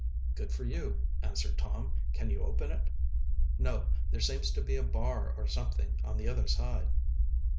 "Good for you," answered Tom. "Can you open it?" "No, there seems to be a bar or something on the other side."